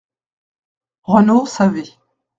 —«Renaud savait.